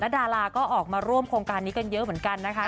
ดาราก็ออกมาร่วมโครงการนี้กันเยอะเหมือนกันนะคะ